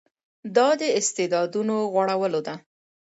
دا د استعدادونو غوړولو ده.